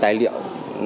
để làm sạch thông tin